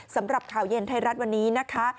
สำหรับข่าวเย็นไทยรัฐวันนี้นะคะ